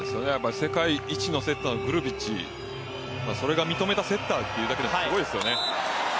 世界一のセッターのグルビッチ、それが認めたセッターというだけでもすごいですよね。